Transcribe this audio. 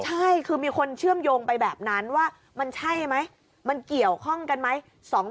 ใช่คือมีคนเชื่อมโยงไปแบบนั้นว่ามันใช่ไหมมันเกี่ยวข้องกันไหม